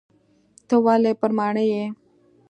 ته ولي پر ماڼي یې ؟